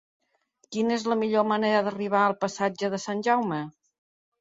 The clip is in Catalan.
Quina és la millor manera d'arribar al passatge de Sant Jaume?